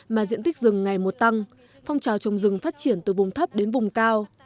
mà diện tích rừng ngày một tăng phong trào trồng rừng phát triển từ vùng thấp đến vùng cao